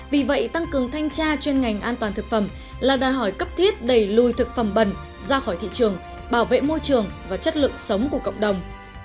vì vậy tăng cường thanh tra chuyên ngành an toàn thực phẩm là đòi hỏi cấp thiết đẩy lùi thực phẩm bẩn ra khỏi thị trường bảo vệ môi trường và chất lượng sống của cộng đồng